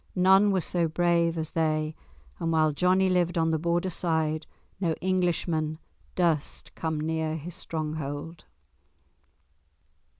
None were so brave as they, and while Johnie lived on the Border side no Englishman durst come near his stronghold.